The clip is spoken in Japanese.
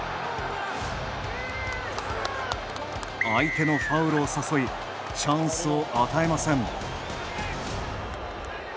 相手のファウルを誘いチャンスを与えません。